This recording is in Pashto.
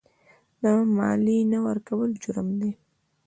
د مالیې نه ورکول جرم دی.